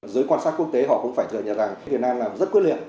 giới quan sát quốc tế họ cũng phải thừa nhận rằng việt nam làm rất quyết liệt